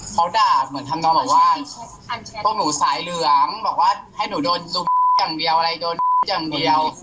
เขาด่าเหมือนทำนองบอกว่าพวกหนูสายเหลืองบอกว่าให้หนูโดนซุมอย่างเดียวอะไรโดนทุบอย่างเดียว